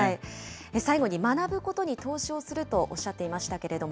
最後に学ぶことに投資をするとおっしゃっていましたけれども、